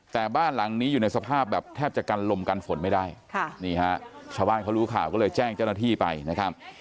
แต่บ้านหลังนี้อยู่ในสภาพแบบแทบจะกันลมกันฝนไม่ได้นี่ฮะชาวบ้านเขารู้ข่าวก็เลยแจ้งเจ้าหน้าที่ไปนะครับ